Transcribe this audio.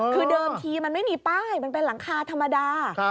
คือเดิมทีมันไม่มีป้ายมันเป็นหลังคาธรรมดา